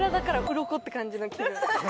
って感じの気分。